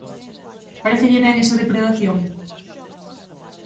¿Parécelle ben esa depredación?